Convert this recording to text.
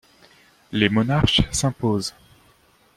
Les Monarchs s'imposent.